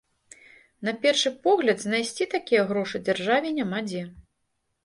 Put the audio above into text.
На першы погляд, знайсці такія грошы дзяржаве няма дзе.